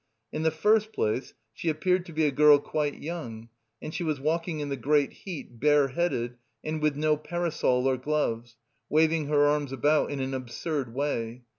In the first place, she appeared to be a girl quite young, and she was walking in the great heat bareheaded and with no parasol or gloves, waving her arms about in an absurd way.